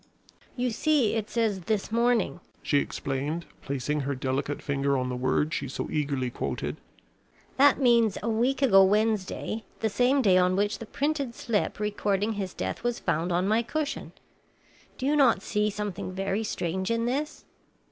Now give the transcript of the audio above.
"You see it says this morning," she explained, placing her delicate finger on the word she so eagerly quoted. "That means a week ago Wednesday, the same day on which the printed slip recording his death was found on my cushion. Do you not see something very strange in this?"